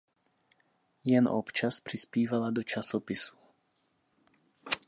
Jen občas přispívala do časopisů.